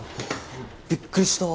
びっくりした。